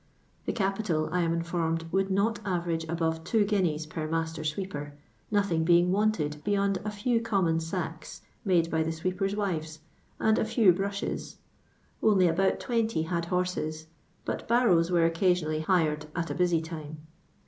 The capital, I am informed, would not average above two guineas per master sweeper, nothing being wanted beyond a few common sacks, made by the sweepers' wives, and a few brushes. Only about 20 had horses, but barrows were occasion ally hired at a busy time.